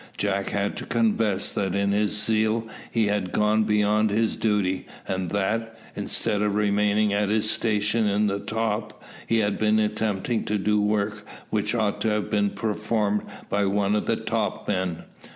Jack had to confess that in his zeal he had gone beyond his duty, and that, instead of remaining at his station in the top, he had been attempting to do work which ought to have been performed by one of the topmen.